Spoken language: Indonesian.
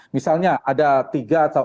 misalnya ada tiga sampai empat ya titik